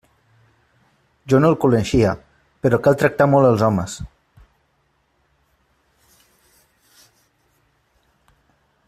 Jo no el coneixia, però cal tractar molt els homes.